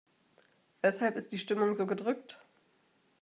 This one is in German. Weshalb ist die Stimmung so gedrückt?